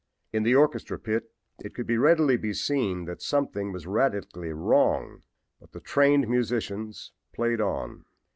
In the orchestra pit it could readily be seen that something was radically wrong, but the trained musicians played on.